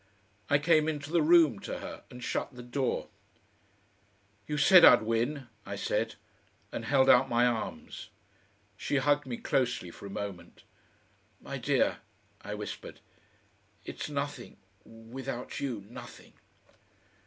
I came into the room to her and shut the door. "You said I'd win," I said, and held out my arms. She hugged me closely for a moment. "My dear," I whispered, "it's nothing without you nothing!"